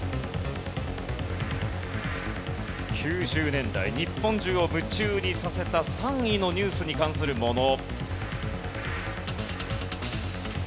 ９０年代日本中を夢中にさせた３位のニュースに関するもの。